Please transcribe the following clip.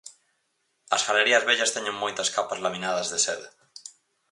As galerías vellas teñen moitas capas laminadas de seda.